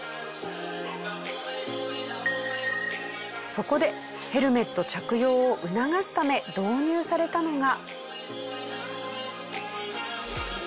そこでヘルメット着用を促すため導入されたのが。